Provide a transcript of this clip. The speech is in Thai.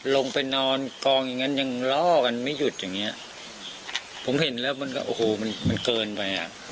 ลงไปนอนกองอย่างงั้นยังล่อกันไม่หยุดอย่างเงี้ยผมเห็นแล้วมันก็โอ้โหมันมันเกินไปอ่ะ